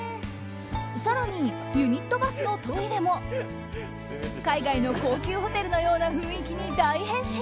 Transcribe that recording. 更に、ユニットバスのトイレも海外の高級ホテルのような雰囲気に大変身！